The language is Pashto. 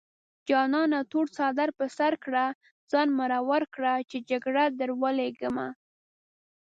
جانانه تور څادر په سر کړه ځان مرور کړه چې جرګه دروليږمه